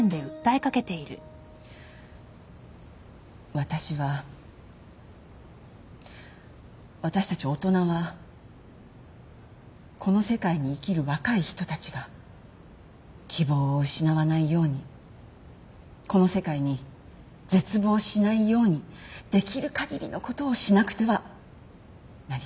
私は私たち大人はこの世界に生きる若い人たちが希望を失わないようにこの世界に絶望しないようにできる限りのことをしなくてはなりません。